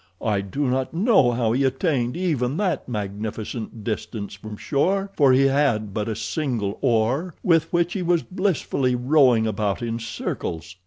I do not know how he attained even that magnificent distance from shore, for he had but a single oar, with which he was blissfully rowing about in circles.